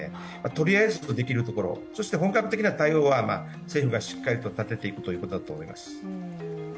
とりあえずできるところを、そして本格的な対応は政府がしっかりと立てていくということだと思います。